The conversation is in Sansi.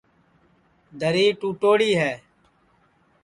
دری ٹُوڑی ہے